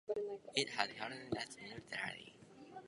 It had its headquarters at New Delhi.